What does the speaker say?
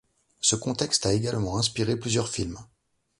Ce contexte a également inspiré plusieurs films.